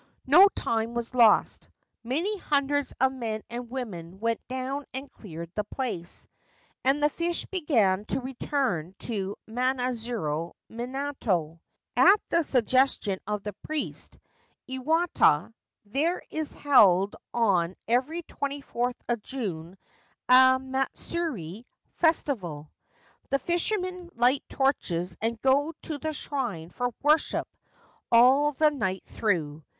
No time was lost. Many hundreds of men and women went down and cleared the place ; and the fish began to return to Manazuru minato. At the suggestion of the priest, Iwata, there is held on every 24th of June a matsuri (festival). The fishermen light torches and go to the shrine for worship all the night through.